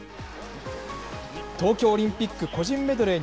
東京オリンピック個人メドレー